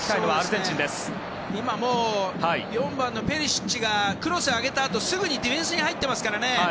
４番のペリシッチがクロスを上げたあとすぐにディフェンスに入ってますから。